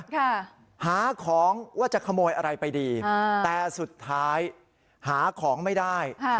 ค่ะหาของว่าจะขโมยอะไรไปดีอ่าแต่สุดท้ายหาของไม่ได้ค่ะ